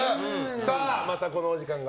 また、このお時間が。